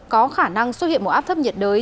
có khả năng xuất hiện một áp thấp nhiệt đới